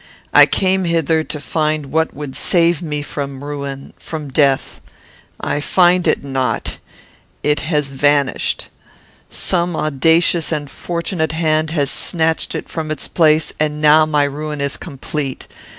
I came hither to find what would save me from ruin, from death. I find it not. It has vanished. Some audacious and fortunate hand has snatched it from its place, and now my ruin is complete.